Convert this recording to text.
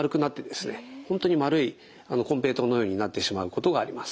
本当に丸いこんぺいとうのようになってしまうことがあります。